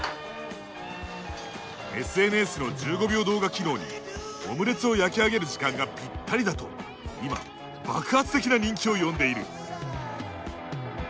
ＳＮＳの１５秒動画機能にオムレツを焼き上げる時間がぴったりだと今爆発的な人気を呼んでいる。